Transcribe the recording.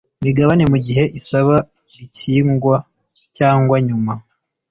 migabane mu gihe isaba ricyigwa cyangwa nyuma